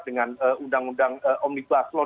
dengan undang undang omnibus law